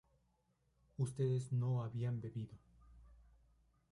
ustedes no habían bebido